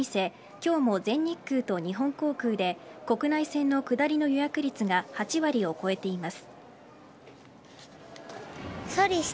今日も全日空と日本航空で国内線の下りの予約率が８割を超えています。